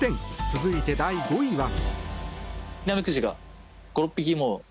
続いて、第５位は。